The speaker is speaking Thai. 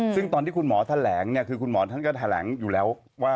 ซึ่งตอนที่คุณหมอแถลงคุณหมอท่านก็แถลงอยู่แล้ว